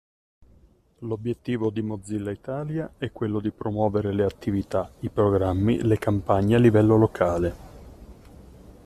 L'obiettivo di Mozilla Italia è quello di promuovere le attività, i programmi, le campagne a livello locale.